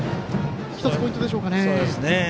１つポイントでしょうか。